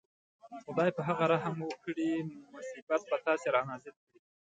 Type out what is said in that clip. خدای په هغه رحم وکړي مصیبت په تاسې رانازل کړي.